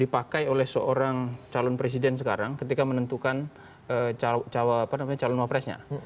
dipakai oleh seorang calon presiden sekarang ketika menentukan calon wapresnya